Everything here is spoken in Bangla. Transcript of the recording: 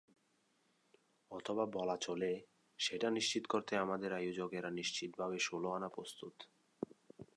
অথবা বলা চলে সেটা নিশ্চিত করতে আমাদের আয়োজকেরা নিশ্চিতভাবেই ষোলো আনা প্রস্তুত।